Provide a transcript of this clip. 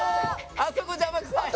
あそこ邪魔くさい。